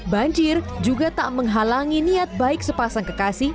banjir juga tak menghalangi niat baik sepasang kekasih